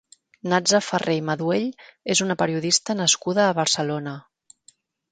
Natza Farré i Maduell és una periodista nascuda a Barcelona.